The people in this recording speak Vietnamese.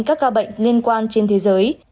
các ca bệnh liên quan trên thế giới